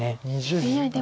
ＡＩでも。